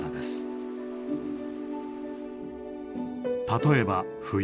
例えば冬。